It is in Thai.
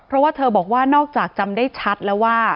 เพราะว่าเธอบอกว่านอกจากจำได้ชัดแล้วว่า